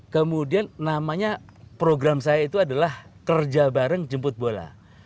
kemudian namanya program saya itu adalah kerja bareng jemput bola